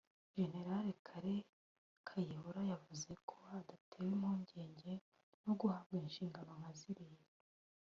General Kale Kayihura yavuze ko adatewe impungenge no guhabwa inshingano nka ziriya